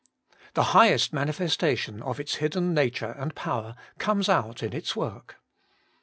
The high est manifestation of its hidden nature and power comes out in its work.